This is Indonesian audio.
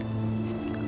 anak luar negeri